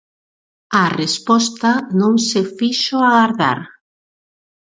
A resposta non se fixo agardar.